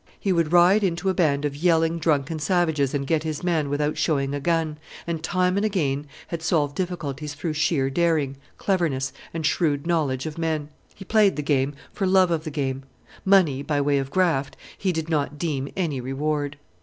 He would ride into a band of yelling drunken savages and get his man without showing a gun, and time and again had solved difficulties through sheer daring, cleverness, and shrewd knowledge of men. He played the game for love of the game. Money, by way of graft, he did not deem any reward.